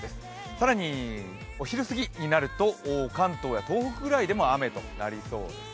更にお昼過ぎになると、関東や東北ぐらいでも雨となりそうです。